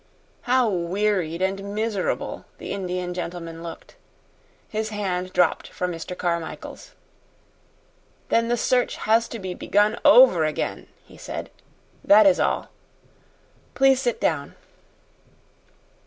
How wearied and miserable the Indian gentleman looked! His hand dropped from Mr. Carmichael's. "Then the search has to be begun over again," he said. "That is all. Please sit down."